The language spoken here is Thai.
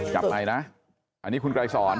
จับใหม่นะอันนี้คุณไกรสอน